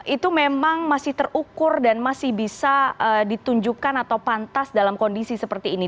itu memang masih terukur dan masih bisa ditunjukkan atau pantas dalam kondisi seperti ini